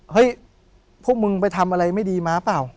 เฮ้ยพวกมึงไปทำอะไรไม่ดีมาเปล่า